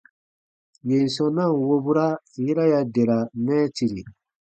Yèn sɔ̃ na ǹ wobura, yera ya dera mɛɛtiri.